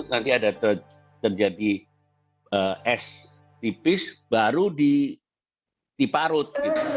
nanti ada terjadi es tipis baru diparut